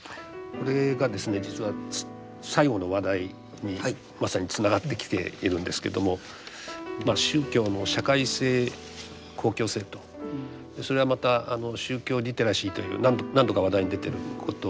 これがですね実は最後の話題にまさにつながってきているんですけども宗教の社会性公共性とそれはまた宗教リテラシーという何度か話題に出てることとも関わってます。